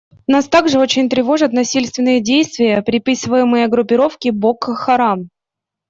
Нас также очень тревожат насильственные действия, приписываемые группировке «Боко Харам».